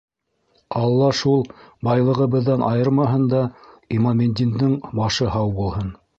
Алла шул байлығыбыҙҙан айырмаһын да, Имаметдиндең башы һау булһын.